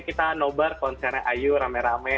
kita no barfeng konsernya iu rame rame